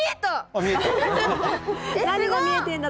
何が見えてんだ？